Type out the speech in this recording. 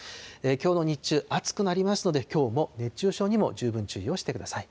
きょうの日中、暑くなりますので、きょうも熱中症にも十分注意をしてください。